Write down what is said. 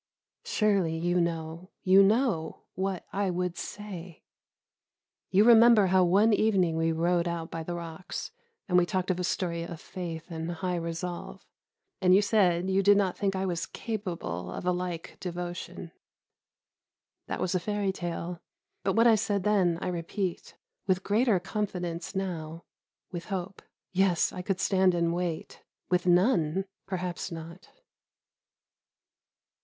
Surely you know, you know, what I would say? You remember how one evening we rode out by the rocks, and we talked of a story of faith and high resolve, and you said you did not think I was capable of a like devotion. That was a fairy tale; but what I said then, I repeat, with greater confidence, now; with hope, yes, I could stand and wait with none, perhaps not.